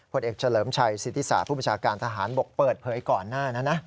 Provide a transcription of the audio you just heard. ผลเอกเฉลิมชัยศิษฐศาสตร์ผู้ประชาการทหารบกเปิดเผยก่อนหน้า